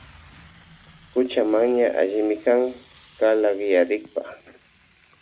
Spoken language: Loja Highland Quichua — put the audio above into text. Kuchamanya allimi kan kallakllarikpa.